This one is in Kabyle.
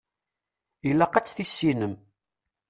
Ilaq ad t-tissinem.